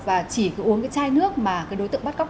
và chỉ uống cái chai nước mà đối tượng bắt cóc